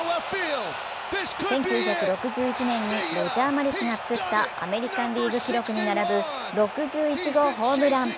１９６１年にロジャー・マリスが作ったアメリカン・リーグ記録に並ぶ６１号ホームラン。